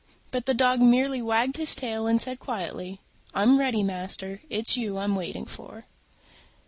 But the Dog merely wagged his tail and said quietly, "I'm ready, master: it's you I'm waiting for."